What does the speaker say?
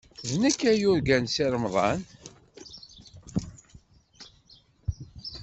D nekk ay yurgan Si Remḍan.